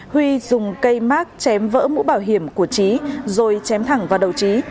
huy dùng cây mát chém vỡ mũ bảo hiểm của trí rồi chém thẳng vào đầu trí